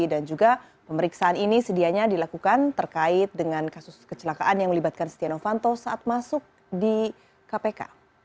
dan juga pemeriksaan ini sedianya dilakukan terkait dengan kasus kecelakaan yang melibatkan setia novanto saat masuk di kpk